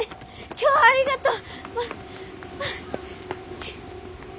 今日はありがとう！